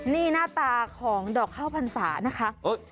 นี่หน้าตาของดอกข้าวพรรษานะคะ